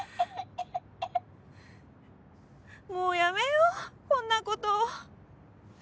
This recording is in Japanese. もうやめようこんなこと